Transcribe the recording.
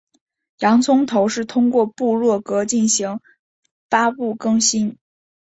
洋葱头是通过部落格进行发布更新。